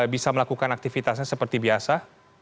bisa melakukan aktivitasnya seperti biasa